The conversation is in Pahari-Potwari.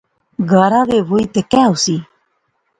گارا وہے وی تے کہہ ہوسی